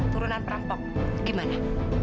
turunan perampok gimana